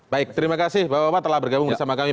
baik terima kasih bapak bapak telah bergabung bersama kami